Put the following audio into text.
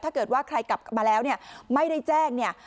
ถ้าเกิดว่าใครกลับมาแล้วเนี่ยไม่ได้แจ้งเนี่ย